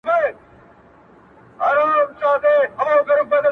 د مېږیانو وې جرګې او مجلسونه!